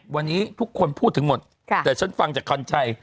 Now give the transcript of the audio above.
วันนี้ทุกคนพูดถึงหมดแต่ฉันฟังจากคันชัย